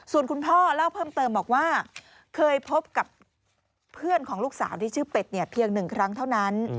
ส่วนคุณพ่อเล่าเพิ่มเติมบอกว่าเคยพบกับเพื่อนของลูกสาวที่ชื่อเป็ดเนี่ยเพียงหนึ่งครั้งเท่านั้น